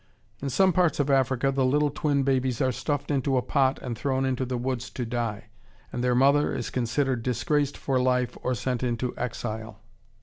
In some parts of Africa the little twin babies are stuffed into a pot and thrown into the woods to die, and their mother is considered disgraced for life or sent into exile.